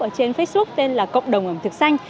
ở trên facebook tên là cộng đồng ẩm thực xanh